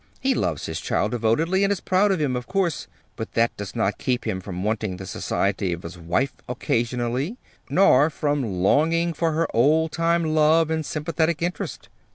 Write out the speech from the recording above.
He loves his child devotedly, and is proud of him, of course; but that does not keep him from wanting the society of his wife occasionally, nor from longing for her old time love and sympathetic interest.